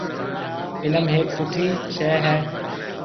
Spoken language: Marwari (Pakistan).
علم هيَڪ سُٺِي شئي هيَ۔